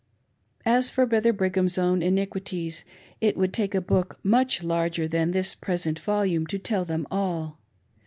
As for Brother Brigham's own iniquities, it would take a book much larger than this present volume to tell theift all.